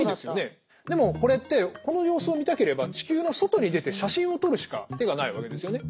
でもこれってこの様子を見たければ地球の外に出て写真を撮るしか手がないわけですよね。